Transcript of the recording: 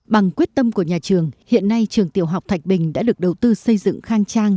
bằng quyết tâm của nhà trường hiện nay trường tiểu học thạch bình đã được đầu tư xây dựng khang trang